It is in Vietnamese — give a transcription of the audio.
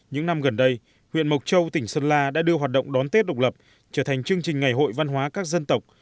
những năm gần đây huyện mộc châu tỉnh sơn la đã đưa hoạt động đón tết độc lập trở thành chương trình ngày hội văn hóa các dân tộc